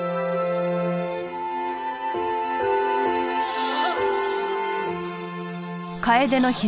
ああ。